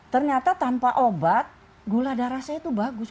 ternyata tanpa obat gula darah saya itu bagus